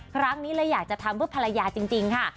ครั้งนี้เลยอยากจะทำเพื่อภรรยาจริงค่ะ